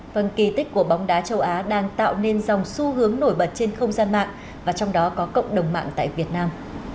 phần kỳ tích của bóng đá châu á đang tạo nên dòng xu hướng nổi bật trên không gian mạng và trong đó có cộng đồng mạng tại việt nam